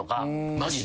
マジで？